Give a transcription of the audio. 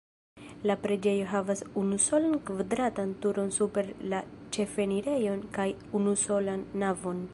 La preĝejo havas unusolan kvadratan turon super la ĉefenirejo kaj unusolan navon.